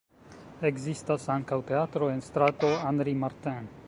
Ekzistas ankaŭ teatro en strato Henri Martin.